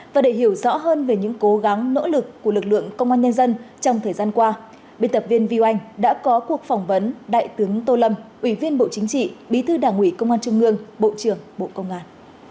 và để hiểu rõ hơn về những cố gắng nỗ lực của lực lượng công an nhân dân trong thời gian qua biên tập viên viu anh đã có cuộc phỏng vấn đại tướng tô lâm ủy viên bộ chính trị bí thư đảng ủy công an trung ương bộ trưởng bộ công an